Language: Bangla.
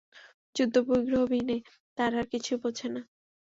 যুদ্ধ-বিগ্রহ বিনে তারা আর কিছুই বোঝে না।